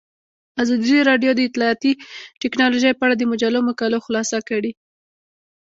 ازادي راډیو د اطلاعاتی تکنالوژي په اړه د مجلو مقالو خلاصه کړې.